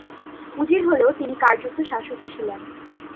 উজির হলেও তিনি কার্যত শাসক ছিলেন।